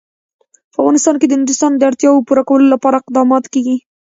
په افغانستان کې د نورستان د اړتیاوو پوره کولو لپاره اقدامات کېږي.